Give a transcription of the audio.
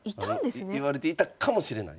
いわれていたかもしれない。